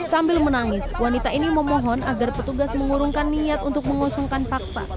sambil menangis wanita ini memohon agar petugas mengurungkan niat untuk mengusungkan paksa